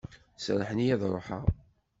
Serrḥen-iyi ad ruḥeɣ.